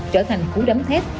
trở thành cú đấm thép